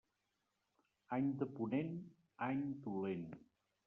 Any de ponent, any dolent.